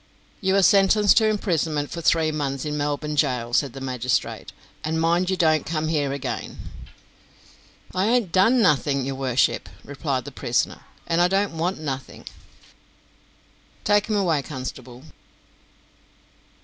"You are sentenced to imprisonment for three months in Melbourne gaol," said the magistrate; "and mind you don't come here again." "I ain't done nothing, your worship," replied the prisoner; "and I don't want nothing." "Take him away, constable."